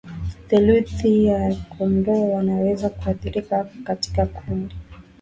Theluthi ya kondoo wanaweza kuathirika katika kundi